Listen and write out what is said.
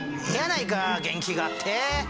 ええやないか元気があって。